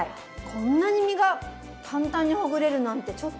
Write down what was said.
こんなに身が簡単にほぐれるなんてちょっとうわ。